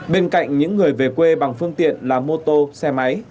bên cạnh những người về quê bằng phương tiện là mô tô xe máy